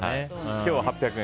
今日は８００円